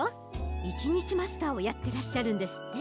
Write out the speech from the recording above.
いちにちマスターをやってらっしゃるんですって？